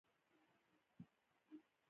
زموږ مسوليت دى او په دې کار سره